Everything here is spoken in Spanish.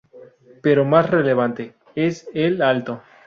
Pero más relevante es el alto.